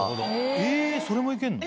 えそれも行けんの。